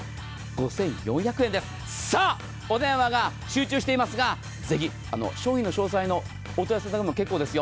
お電話が集中していますが、商品の詳細のお問い合わせでも結構ですよ。